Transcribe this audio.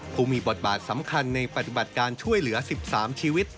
ผู้มีบทบาทสำคัญในปฏิบัติการช่วยเหลือ๑๓ชีวิต